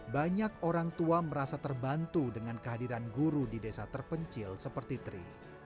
banyak orang tua merasa terbantu dengan kehadiran guru di desa terpencil seperti tri